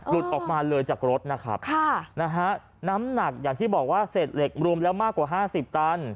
ออกมาเลยจากรถนะครับค่ะนะฮะน้ำหนักอย่างที่บอกว่าเศษเหล็กรวมแล้วมากกว่า๕๐ตัน